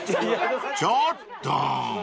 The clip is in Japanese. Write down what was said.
［ちょっと！］